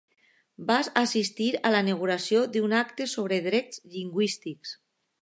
Va assistir a la inauguració d'un acte sobre drets lingüístics.